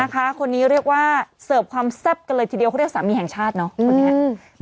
คนนี้เรียกว่าเสิร์ฟความแซ่บกันเลยทีเดียวเขาเรียกสามีแห่งชาติเนาะคนนี้